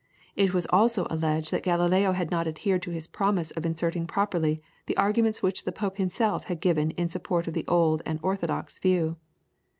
It was also alleged that Galileo had not adhered to his promise of inserting properly the arguments which the Pope himself had given in support of the old and orthodox view.